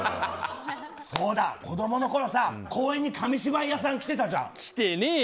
そうだ、子供のころさ公園に紙芝居屋さん来てたじゃん。